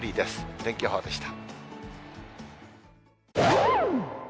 天気予報でした。